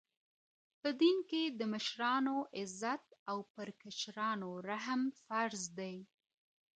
په دین کي د مشرانوعزت او پر کشرانو رحم فرض دی.